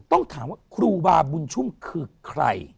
ต้องถามว่าครูบาบุญชุ่มคือใคร